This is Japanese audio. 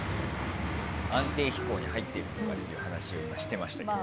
安定飛行に入っているという話を今、していましたけど。